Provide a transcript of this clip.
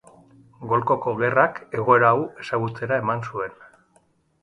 Golkoko Gerrak egoera hau ezagutzera eman zuen.